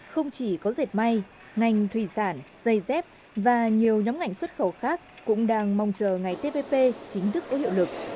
không chỉ có dệt may ngành thủy sản dây dép và nhiều nhóm ngành xuất khẩu khác cũng đang mong chờ ngày tpp chính thức có hiệu lực